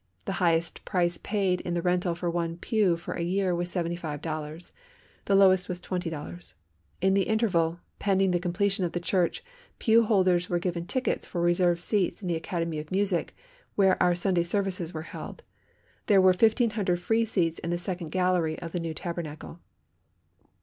The highest price paid in the rental for one pew for a year was $75, the lowest was $20. In the interval, pending the completion of the church, pew holders were given tickets for reserved seats in the Academy of Music, where our Sunday services were held. There were 1,500 free seats in the second gallery of the new Tabernacle.